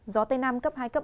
gió tây nam cấp hai cấp ba